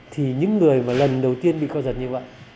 thì những người mà lần đầu tiên bị co giật như vậy